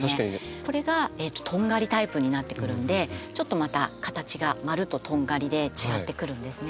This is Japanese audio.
これがとんがりタイプになってくるのでちょっとまた形が「まる」と「とんがり」で違ってくるんですね。